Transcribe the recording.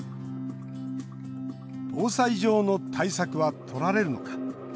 防災上の対策はとられるのか。